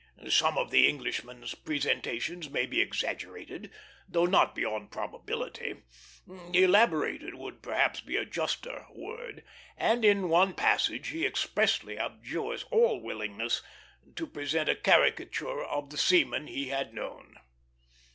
Some of the Englishman's presentations may be exaggerated, though not beyond probability elaborated would perhaps be a juster word and in one passage he expressly abjures all willingness to present a caricature of the seaman he had known.